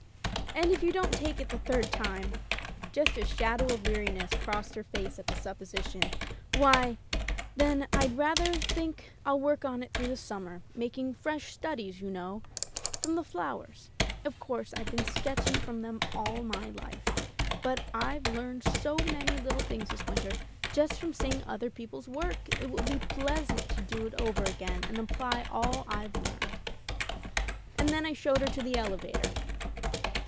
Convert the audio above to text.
"And if you don't take it the third time" — just a shadow of weariness crossed her face at the supposition — ^why, then — I rather think I'll work on it through the summer — making fresh studies, you know, from the [ 243 ] Digitized by LjOOQ IC Interventions flowers. Of course, Tve been sketching from them all my life, but Fve learned so many little things this winter, just from seeing other people's work — ^it will be pleasant to do it over again, and apply all Fve learned." And then I showed her to the elevator.